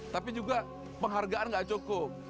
tapi juga penghargaan nggak cukup